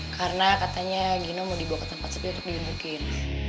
karena katanya gino mau dibawa ke tempat sepi untuk diundukin